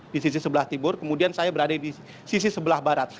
di sisi sebelah timur kemudian saya berada di sisi sebelah barat